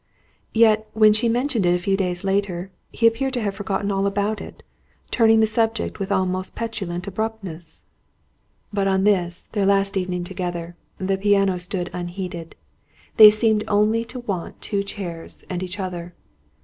Yet, when she mentioned it a few days later, he appeared to have forgotten all about it, turning the subject with almost petulant abruptness. But, on this their last evening together, the piano stood unheeded. They seemed only to want two chairs, and each other.